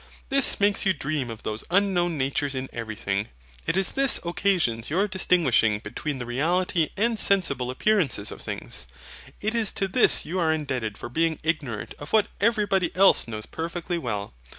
This makes you dream of those unknown natures in everything. It is this occasions your distinguishing between the reality and sensible appearances of things. It is to this you are indebted for being ignorant of what everybody else knows perfectly well.